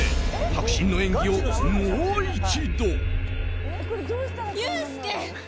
迫真の演技をもう一度。